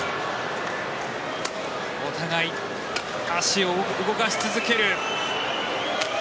お互い、足を動かし続ける。